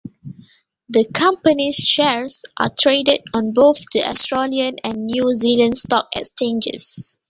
The company's shares are traded on both the Australian and New Zealand Stock Exchanges.